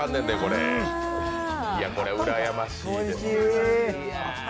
これうらやましいですね。